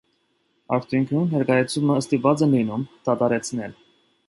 Արդյունքում, ներկայացումը ստիպված են լինում դադարեցնել։